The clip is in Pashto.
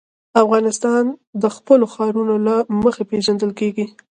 افغانستان د خپلو ښارونو له مخې پېژندل کېږي.